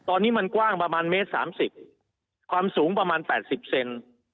ตอนนี้มันกว้างประมาณเมตรสามสิบความสูงประมาณแปดสิบเซน